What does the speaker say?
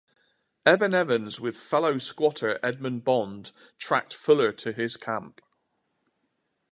Evan Evans, with fellow squatter Edmond Bond, tracked Fuller to his camp.